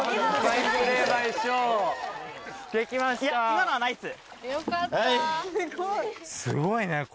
今のはナイス！